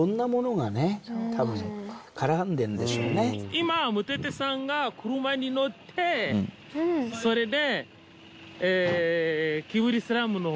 今ムテテさんが車に乗ってそれで。